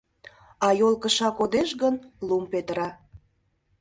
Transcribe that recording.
А йолкыша кодеш гын, лум петыра.